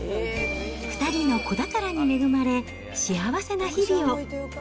２人の子宝に恵まれ、幸せな日々を。